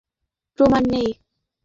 তার কাছে কোনও প্রমাণ নেই।